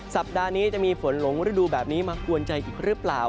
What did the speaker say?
สัปดาห์นี้จะมีฝนหลงฤดูแบบนี้มากวนใจอีกหรือเปล่า